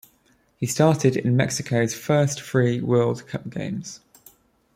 He started in Mexico's first three World Cup games.